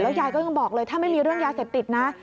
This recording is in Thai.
ยายก็ยังบอกเลยถ้าไม่มีเรื่องยาเสพติดนะ